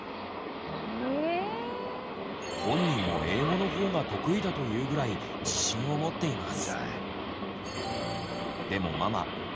本人も英語の方が得意だというぐらい自信を持っています。